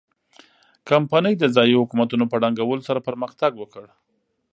کمپنۍ د ځايي حکومتونو په ړنګولو سره پرمختګ وکړ.